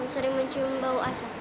sering mencium bau asap